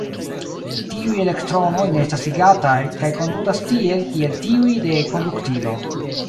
Tiuj elektronoj ne estas ligataj, kaj kondutas tiel, kiel tiuj de konduktilo.